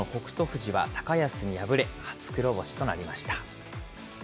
富士は高安に敗れ、初黒星となりました。